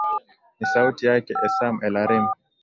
ni sauti yake esam elarim